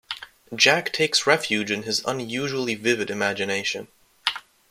Jack takes refuge in his unusually vivid imagination.